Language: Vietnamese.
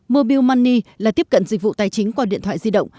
mobile money là tiếp cận dịch vụ tài chính qua điện thoại di động